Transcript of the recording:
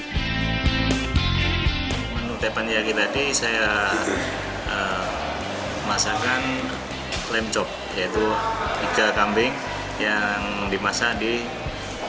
menu tepan yaki tadi saya masakan lem chop yaitu iga kambing yang dimasak di tepan yaki dengan saus soga yaki